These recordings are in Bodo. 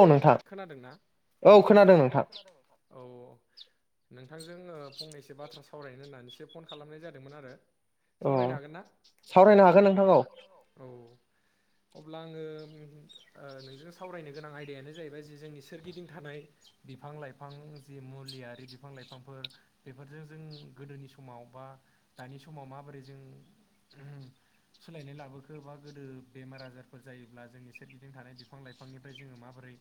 औ नोंथां औ खोनादों नोंथां। औ औ औ नोंथांजों ओ फंनैसो बाथ्रा होननानैसो फन खालामनाय जादोंमोन आरो। सावरायनो हागोन ना? सावरायनो हागोन नोंथां औ। अब्ला आङो उम ओ नोंजों सावरायनो गोनां आयदायानो जाहैबाय जे जोंनि सोरगिदिं थानाय बिफां लाइफां जि मुलियारि बिफां लाइफांफोर बेफोरजों जों गोदोनि समाव बा दानि समाव माबोरै जों सोलायनाय लाबोखो बा गोदो बेमार आजारफोर जायोब्ला जोंनि सोरगदिं थानाय बिफां लाइफांनिफ्राय जोङो मा बोरै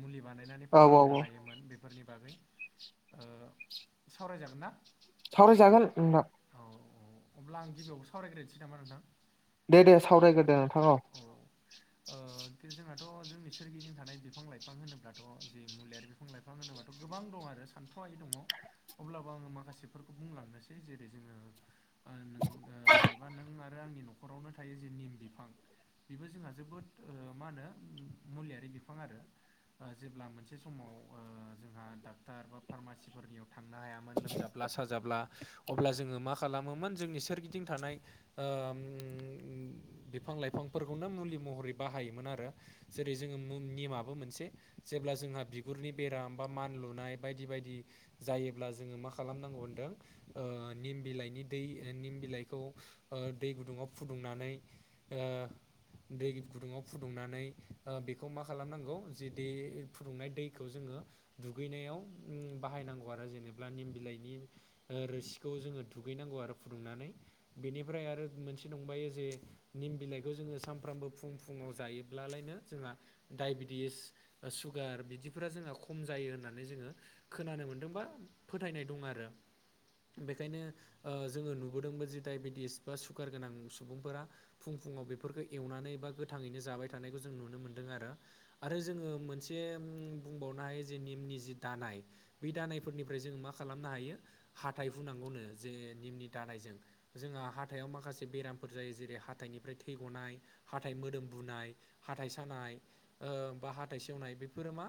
मुलि बानायनानै फाहामनो हायोमोन बे फोरनि बागै सावरायजागोन ना? औ औ अब्ला आं गिबियावबो सावरायग्रोनोसै नामा नोंथां? दे दे सावरायग्रोदो नोंथां औ। ओ बिदिनो जोंहाथ' जोंनि सोरगिदिं थानाय बिफां लाइफां होनोब्लाथ' जे मुुलियारि बिफां लाइफां होनोब्लााथ' गोबां दङ आरो सानथ्रहायै दङ। अब्लाबो आङो माखासेफोरखौ बुंलांनोसै जेरै जोङो आरो नों ओ जेनेबा नों आरो आंनि न'खरावनो थायो जे निम बिफां बेबो जोंहा जोबोद मा होनो मुलियारि बि फां आरो जेब्ला मोनसे समाव ओ जोंहा डाक्टार बा फार्मासिफोरनियाव थांनो हायामोन लोमजाब्ला साजाब्ला अब्ला जोङो मा खालामोमोन जोंनि सोरगिदिं थानाय बिफां लाइफांफोरखौनो मुलि महरै बाहायोमोन आरो। जेरै जोङो मुं निमाबो मोनसे जेब्ला जोंहा बिगुरनि बेराम बा मानलुनाय बायदि बायदि जायोब्ला जोङो मा खालामनांगौ होनदों निम बिलाइनि दै निम बिलाइखौ दै गुदुङाव फुदुंनानै दै गुदुङाव फुदुंनानै बे बे खौ मा खालामनांगौ जेदि फुदुंनाय दैखौ जोङो। दुगैनायाव बाहायनांगौ आरो जेनेबा निम बिलाइनि। रोसिखौ जोङो दुगैनांगौ आरो फुदुंनानै बेनिफ्राय आरो मोनसे दंबायो जे। निम बिलाइखौ जोङो सानफ्रामबो फुं फुङाव जायोब्लालायनो जोंहा। डाइबेटिस सुगार बिदिफोरा जोंहा खम जायो होननानै जोङो खोनानो मोन्दोंबा फोथायनाय दं आरो। बेखायनो जोङो नुबोदोंमोन जि दडायबेटिस बा सुगार गोनां सुबुंफोरा। फुं फुङाव बेफोरखौ एवनानै बा गोथाङैनो जाबाय थानायखौ जों नुनो मोन्दों आरो। आरो जोङो मोनसे बुंबावनो निमनि जि दानाय। बे दानायफोरनिफ्राय जोङो मा खालामनो हायो हााइ फुनांगौनो जे निमनि दानायजों। जोंहा हााइाव माखासे बेरामफोर जायो जेरै हाथाइनिफ्राय थैग'नाय हााइ मोदोम बुनाय। हााइ सानाय बा हााइ सेवनाय बेफोरो मा।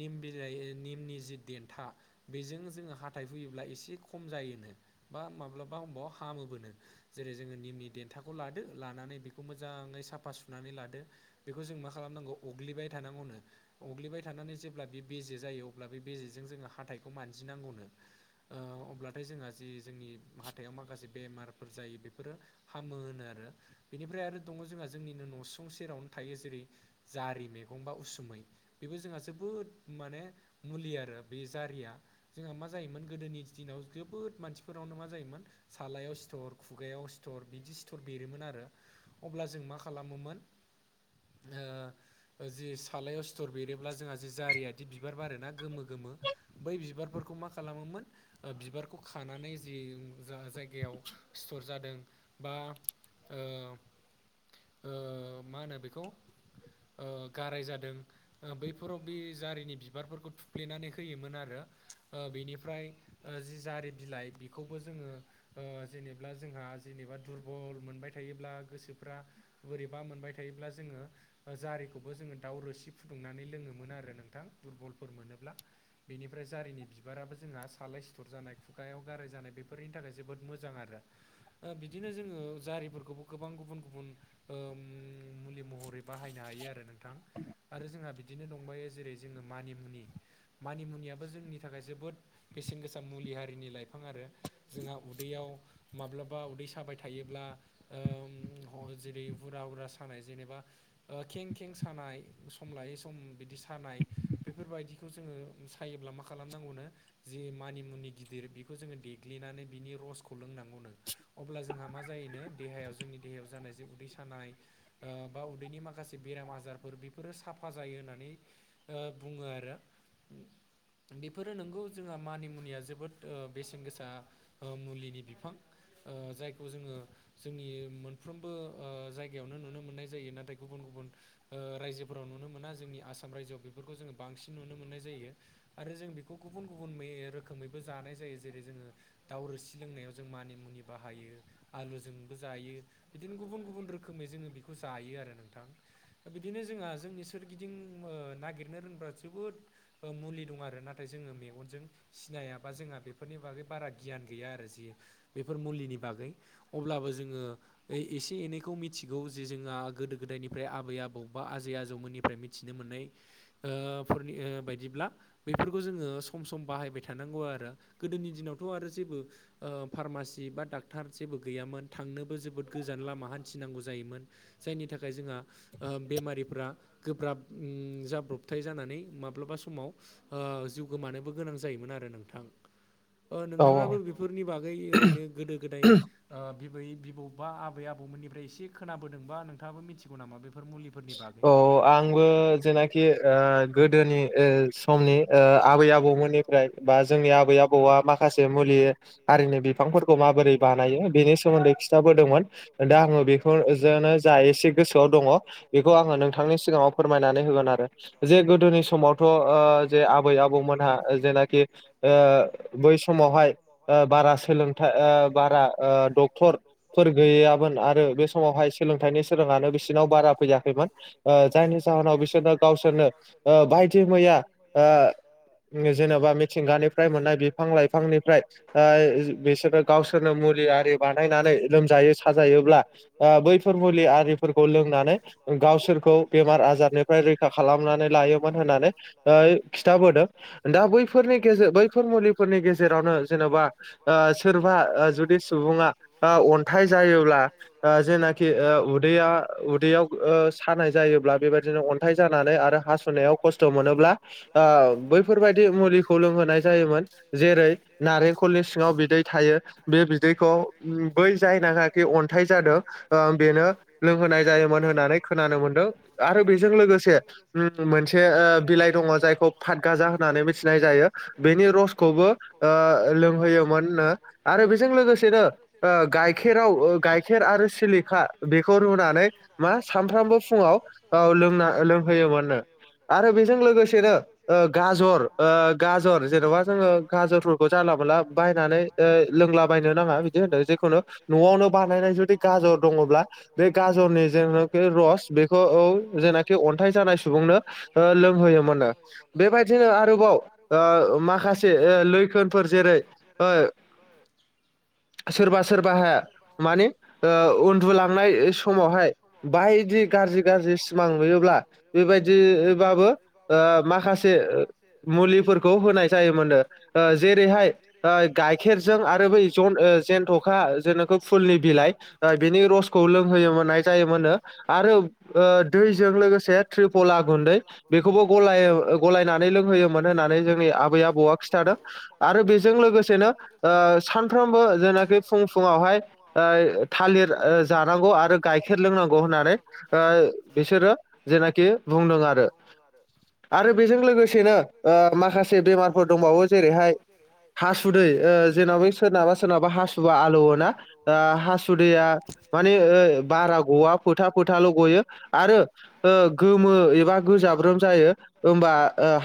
निम बिलाइ निमनि जि देन्था। बेजों जोङो हाथाय फैयोब्ला एसे खम जायोनो बा माब्लाबा हबाव हामोबोनो। जेरै जोङो निमनि देन्थाखौ लादो लानानै बेखौ मोजाङै साफा सुनानै लादो। बेखौ जों मा खालामनांगौ अग्लिबाय थानांगौनो। अग्लिबाय थानानै जेब्ला बे बेजे जायो अब्ला बे बेजेजों जोङो हाथाइखौ मानजिनांगौनो। अब्लाथाय जोंहा जि जोंनि हाथायाव माखासे बेमार। फोर जायो बेफोरो हामो होनो आरो। बेनिफ्राय आरो दङ जोंहा जोंनिनो न'सुं सेरावनो थायो जेरै- जारि मैगं बा उसुमै। बेबो जोंहा जोबोद माने मुलि आरो बे जारिया। जोंहा मा जायोमोन गोदोनि दिनाव जोबोद मानसिफोरावनो मा जायोमोन सालायाव सिथर खुगायाव सिथर बिदि सिथर बेरोमोन आरो। अब्ला जों मा खालामोमोन ओ जि सालायाव सिथर बेरोब्ला जोंहा जि जारिया। बिदि बिबार बारोना गोमो गोमो बै बिबारफोरखौ मा खालामोमोन बिबारखौ खानानै जि जा जायगायाव स्थर जादों बा ओ ओ मा होनो बेखौ। ओ गाराय जादों। बैफोराव बे जारिनि बिबारफोरखौ थुफ्लेनानै होयोमोन आरो ओ बेनिफ्राय। ओ जि जारि बिलाइ बेखौबो जोङो ओ जेनेबा जोंहा जेनेबा दुरबल मोनबाय थायोब्ला गोसोफ्रा बोरैबा मोनबाय थायोब्ला जोङो ओ जारि बेखौ जोङो दाउ रोसि फुदुंनानै लोङोमोन आरो नोंथां दुरबलफोर मोनोब्ला। बेनिफ्राय जारिनि बिबाराबो जोंहा सालाय सिथर जानाय खुगायाव गाराय जानाय बेफोरनि थाखाय जोबोद आरो। ओ बिदिनो जोङो जारिफोरखौबो गोबां गुबुन गुबुन ओम मुलि महरै बाहायनो हायो आरो नोंथां आरो जोंहा बिदिनो दंबायो जेरै- जोङो मानिमुनि मानिमुनियाबो जोंनि थाखाय जोबोद बेसेन गोसा मुलि हारिनि लाइफां आरो। जोंहा उदैयाव माब्लाबा उदै साबाय थायोब्ला ओ जेरै हुरा हुरा सानाय जेनेबा ओ खें खें सानाय सम लायै सम बिदि सानाय बेफोरबायदिखौ जोङो सायोब्ला मा खालामनांगौनो जि मानिमुनि गिदिर बेखौ जोङो देग्लिनानै बिनि रसखौ लोंनांगौ। अब्ला मा जायोनो देहायाव जोंनि देहायाव जे उदै सानाय ओ बा उदैनि माखासे बेराम आजार फोर बेफोरो साफा जायो होननानै ओ बुङो आरो। बेफोरो नोंगौ जोंहा मानि मुनिया जोबोद ओ बेसेन गोसा। ओ मुलिनि बिफां ओ जायखौ जोङो जोंनि मोनफ्रोमबो ओ जायगायावनो नुनो मोननाय जायो नाथाय गुबुन गुबुन ओ रायजोफोराव नुनो मोना जोंनि आसाम रायजोआव बेफोरखौ जोङो बांसिन नुनो मोननाय जायो। आरो जों बेखौ गुबुन गुबुन मे रोखोमैबो जानाय जायो जेरै जोङो दाउरोसि लोंनायाव जों मानि मुनि बाहायो। आलुजोंबो जायो बिदिनो गुबुन गुबुन रोखोमै जोङो बेखौ जायो आरो नोंथां। बिदिनो जोंहा जोंनि सोरगिदिं ओ नागिरनो रोंब्ला जोबोद ओ मुलि दं आरो नाथाय जोङो मेगनजों सिनायाबा जोंहा बेफोरनि बागै बारा गियान गैया आरो जि बेफोर मुलिनि बागै। अब्लाबो जोङो बै एसे एनैखौ मिथिगौ जे जोंहा गोदो गोदायनिफ्राय आबै आबौ अबबा आजौ आजैमोननिफ्राय मिथिनो मोननाय ओ फोरनि ओ बायदिब्ला बेफोरखौ जोङो सम सम बाहायबाय थानांगौ आरो गोदोनि दिनावथ' आरो जेबो ओ फार्मासि बा डाक्टर जेबो गैयामोन थांनोबो जोबोद गोजान लामा हान्थिनांगौ जायोमोन। जायनि थाखाय जोंहा ओ बेमारिफ्रा गोब्राब ओम जाब्र'बथाय जानानै माब्लाबा समाव ओ जिउ गोमानोबो गोनां जायोमोन आरो नोंथां। ओ नोंथाङाबो बेफोरनि बागै ओरैनो गोदो गोदाय ओ बिबै बिबौ बा आबै आबौमोननिफ्राय एसे खोनाबोदोंबा नोंथाङाबो मिथिगौ नामा बेफोर मुलि अ आंबो जेनाखि ओ गोदोनि ओ समनि ओ आबै आबौमोननिफ्राय जोंनि आबै आबौआ माखासे मुलि आरिनि बिफांफोरखौ माबोरै बानायो बेनि सोमोन्दै खिथाबोदोंमोन। दा आङो बेखौ जोनो जा इसे गोसोआव दङ बेखौ आङो नोंथांनि सिगाङाव फोरमायनानै होगोन आरो। जे गोदोनि समावथ' ओ जे आबै आबौमोनहा जेनाखि ओ बै समावहाय ओ बारा सोलों ओ बारा ओ डक्टर फोर गैयामोन आरो बे समावहाय स सोलोंथाइनि सोलोंङानो बिसिनाव बारा फैया। बां जायनि जाहोनाव बिसोरनो गावसोरनो ओ बायदि मैया ओ जेन'बा मिथिंगानिफ्राय मोननाय बिफां-लाइफांनिफ्राय ओ ज बिसोरो गावसोरनो मुलिआरि बानायनानै लोमजायो साजायोब्ला ओ बैफोर मुलि आरिफोरखौ लों नानै गावसोरखौ बेमार आजारनिफ्राय रैखा खालामनानै लायोमोन होननानै ओय खिथाबोदो दा बैफोरनि गेजेर बैफोर मुलिफोरनि गेजेरावनो जेन'बा ओ सोरबा ओ जुदि सुबुङा ओ अन्थाइ जायोब्ला ओ जेनाखि ओ उदैया उदैयाव ओ सानाय जायोब्ला बेबायदिनो अन्थाइ जानानै आरो हासुनायाव खस्थ' मोनोब्ला आ बैफोरबायदि मुलिखौ लोंहोनाय जायोमोन। जेरै- नारेंखलनि सिङाव बिदै थायो। बे बिदैखौ बै जायना नाखि अन्थाइ जादों ओ बेनो लोंहोनाय जायोमोन। होननानै खोनानो मोनदों आरो बेजों लोगोसे उम मोनसे बिलाइ दङ। जायखौ फातगाजा होननानै मिथिनाय जायो। बेनि रसखौबो ओ लोंहोयोमोन नो। आरो बेजों लोगोसेनो ओ गाइखेराव ओ गाइखेर आरो सिलिखा बेखौ रुनानै मा सानफ्रामबो फुङाव लोंना लोंहोयोमोननो आरो बेजों लोगोसेनो ओ गाजर ओ गाजर जेन'बा जोङो गाजरफोरखौ जानला मोनला बायनानै ओ लोंलाबायनो नाङा बिदि होनदों जेखुनु न'आवनो बानायनाय जुदि गाजर दङब्ला बे गाजरनि जेननाखि रस बेखौ औ जेनाखि अन्थाइ जानाय सुबुंनो ओ लोंहोयोमोनो। बेबायदिनो आरोबाव ओ माखासे लैखोनफोर जेरै ओ [unintelligible] सोरबा सोरबाहाय मानि उन्दुलांनाय समावहाय बायदि गाज्रि गाज्रि सिमां नुयोब्ला बेबायदिबाबो ओ माखासे मुलिफोरखौ होनाय जायोमोन ओ जेरैहाय ओ गाइखेरजों आरो बै ज ओ जेनथ'खा जेनेखा फुलनि बिलाइ ओ बेनि रसखौ लोंहोयोमोननाय जायोमोननो आरो ओ दैजों लोगोसे त्रिपला गुन्दै बेखौबो गलाय गलायनानै लोंहोयोमोन होननानै जोंनि आबै आबौआ खिन्थादों। आरो बेजों लोगोसेनो ओ सानफ्रोमबो जेनाखि फुं फुङावहाय ओ थालिर ओ जानांगौ आरो गाइखेर लोंनां गौ होननानै ओ बिसोरो जेनाखि बुंदों आरो आरो बेजों लोगोसेनो ओ माखासे बेमारफोर दंबावो जेरैहाय हासुदै ओ जेनावबा सोरनाबा सोरनाबा हासुबा आलौव ना ओ हासुदैया माने ओ बारा गवा फोथा फोथाल' गयो आरो ओ गोमो एबा गोजाब्रोम जायो। ओमबा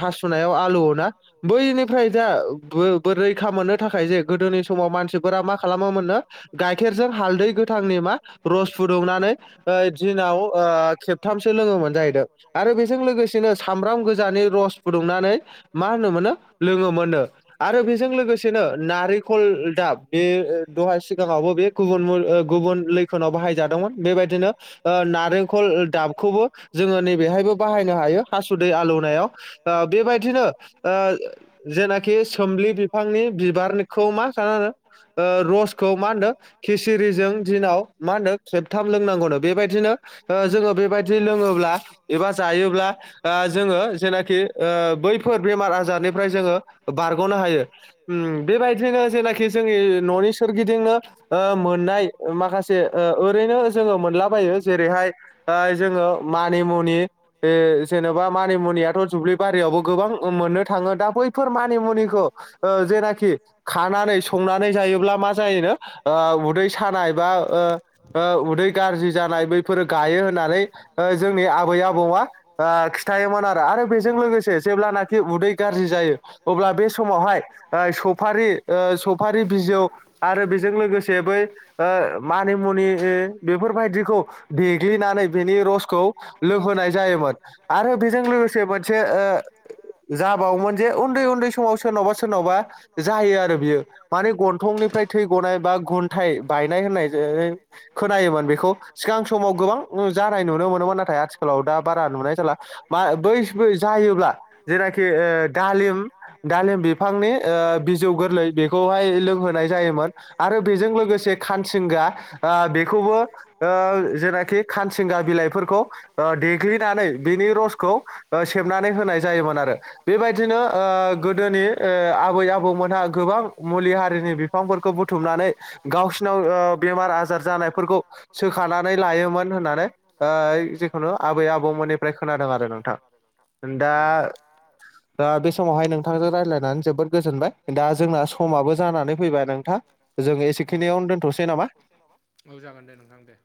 हासुनायाव आलु ओ ना बैनिफ्राय दा बोरै रैखा मोननो थाखाय जे गोदोनि समाव मानसिफोरा मा खालामोमोननो गाइखेरजों हालदै गोथांनि मा रस फुदुं नानै ओ दिनाव ओ खेबथामसो लोङोमोन जाहैदों आरो बेजों लोगोसेनो सामब्राम गोजानि रस फुदुंनानै मा होनोम मोनो लोङोम मोनो आरो बेजों लोगोसेनो नारेंखल दाब बे दहाय सिगाङावबो बे गुबुन गुबुन लैखोनाव बाहाय जादोंमोन बेबायदिनो ओ नारेंखल दाबखौबो जोङो नैबेहायबो बाहायनो हायो हासुदै आलौनायाव ओ बेबायदिनो ओ जेनाखि सोमलि बिफांनि बिबारखौ मासा ओ रसखौ मा होनो खिसिरिजों दिनाव मा होनो खेबथाम लोंनांगौनो बेबायदिनो ओ जोङो बेबादि लोङोब्ला एबा जायोब्ला ओ जोङो जेनाखि ओ बैफोर बेमार आजारनिफ्राय जोङो बारग'नो हायो। उम बेबायदिनो जेनाखि जोंनि न'नि सोरगिदिंनो ओ मोननाय माखासे ओ ओरैनो जोङो मोनलाबायो जेरैहाय ओ जोङो मानि मुनि ए जेनेबा मानिमुनियाथ' जुब्लिबारियावबो गोबां मोननो थाङो दा बैफोर मानिमुनिखौ ओ जेनाखि खानानै संनानै जायोब्ला मा जायोनो ओ उदै सानाय बा ओ ओ उदै गाज्रि जानाय बैफोरो गायो होननानै ओ जोंनि आबै आबौआ ओ थायोमोन आरो आरो बेजों लोगोसे जेब्लानाखि उदै गाज्रि जायो अब्ला बे समावहाय ओ सफारि ओ सफारि बिजौ आरो बेजों लोगोसे बै ओ मानिमुनि बेफोरबायदिखौ देग्लिनानै बेनि रसखौ लोंहोनाय जायोमोन। आरो बेजों लोगोसे मोनसे ओ जाबावोमोन जे उन्दै उन्दै समाव सोरनावबा सोरनावबा जायो आरो बियो माने गन्थंनिफ्राय थै गनाय बा गन्थायाइ बायनाय होननाय जा खोनायोमोन बेखौ सिगां समाव गोबां जानाय नुनो मोनोमोन नाथाय आथिखालाव दा बारा नुनाय जाला बा बै जायोब्ला जेनाखि ओ दालिम दालिम बि फांनि ओ बिजौ गोरलै बेखौहाय लोंहोनाय जायोमोन आरो बेजों लोगोसे खानसिंगा आ बे खौबो ओ जेनाखि खानसिंगा बिलाइफोरखौ ओ देग्लिनानै बिनि रसखौ ओ सेबनानै होनाय जायोमोन आरो बेबायदिनो ओ गोदोनि ओ आबै आबौमोनहा गोबां मुलि हारिनि बिफांफोरखौ बुथुमनानै गावसिनाव ओ बेमार आजार जानाय फोरखौ सोखानानै लायोमोन होननानै ओ जिखुनु आबै आबौमोननिफ्राय खोनादों आरो नोंथां दा दा बे समावहाय नोंथांजों रायज्लायनानै जोबोद गोजोनबाय दा जोंना समाबो जानानै फैबाय नोंथां जोंङो एसेखिनियाव दोनथ'सै नामा औ जागोन दे नोंथां दे